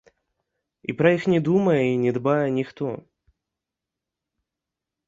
І пра іх не думае і не дбае ніхто.